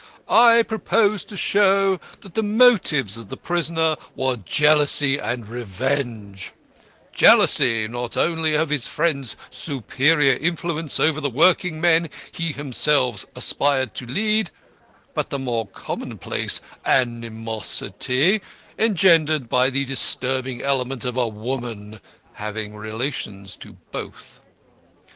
I propose to show that the motives of the prisoner were jealousy and revenge; jealousy, not only of his friend's superior influence over the working men he himself aspired to lead, but the more commonplace animosity engendered by the disturbing element of a woman having relations to both.